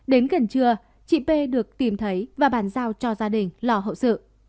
đến gần trưa chị p được tìm thấy và bàn giao cho gia đình lò hậu sự